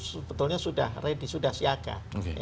sebetulnya sudah siaga